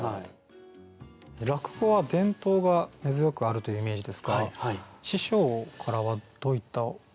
落語は伝統が根強くあるというイメージですが師匠からはどういった教えがあるんですか？